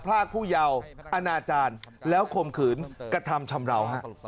รากผู้เยาว์อนาจารย์แล้วข่มขืนกระทำชำราว